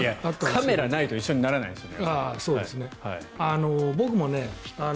カメラないと一緒にはならないですよ。